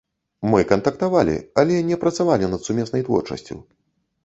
Мы кантактавалі, але не працавалі над сумеснай творчасцю.